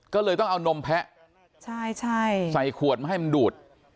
ก็เลยต้องเอานมแพ้ใช่ค่ะใส่ขวดให้ดูด